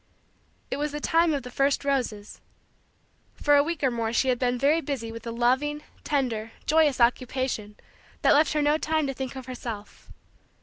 It was the time of the first roses. For a week or more she had been very busy with a loving, tender, joyous, occupation that left her no time to think of herself.